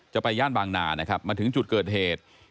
ไปย่านบางนานะครับมาถึงจุดเกิดเหตุ